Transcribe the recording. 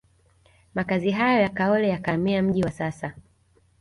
Makazi hayo ya Kaole yakahamia mji wa sasa